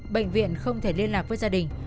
bệnh viện không thể liên lạc với gia đình